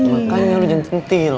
makanya lo gentil